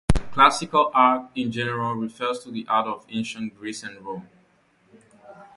Classical art, in general, refers to the art of ancient Greece and Rome.